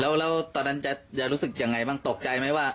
แล้วตอนนั้นจะรู้สึกยังไงบ้างตกใจไหมว่า